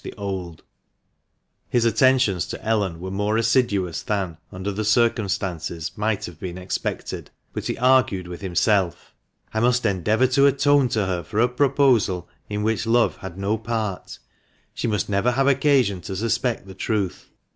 397 the old, His attentions to Ellen were more assiduous than, under the circumstances, might have been expected , but he argued with himself — "I must endeavour to atone to her for a proposal in which love had no part She must never have occasion to suspect the truth.